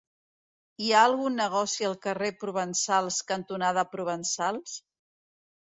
Hi ha algun negoci al carrer Provençals cantonada Provençals?